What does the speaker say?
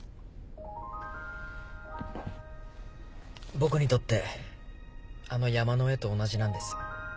僕にとってあの山の上と同じなんです。